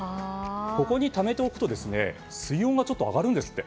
ここにためておくと水温がちょっと上がるんですって。